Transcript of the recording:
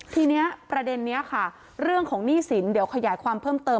ทีนี้ประเด็นนี้ค่ะเรื่องของหนี้สินเดี๋ยวขยายความเพิ่มเติม